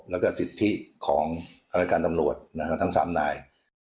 แล้วก็สิทธิของราชการตำรวจทั้ง๓นาย